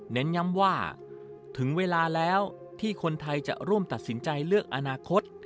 เน้นย้ำว่าถึงเวลาแล้วที่คนไทยจะร่วมตัดสินใจเลือกอนาคต